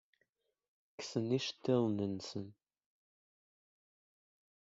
Kksen iceḍḍiḍen-nsen.